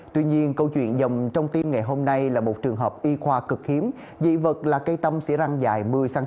tuy nhiên câu chuyện dầm trong tim ngày hôm nay là một trường hợp y khoa cực hiếm dị vật là cây tâm xỉa răng dài một mươi